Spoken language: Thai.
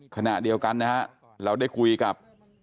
ขณะเดียวกันนะฮะเราได้คุยกับ